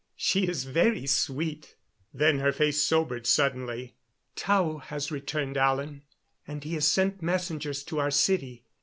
She is very sweet." Then her face sobered suddenly. "Tao has returned, Alan. And he has sent messengers to our city.